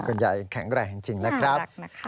คุณยายยังแข็งแรงจริงนะครับ